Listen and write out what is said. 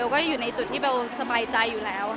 ก็อยู่ในจุดที่เบลสบายใจอยู่แล้ว